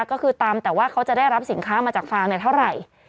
ก็คือตำแต่ว่าเขาจะได้รับสินค้ามาจากฟางเท่าไหร่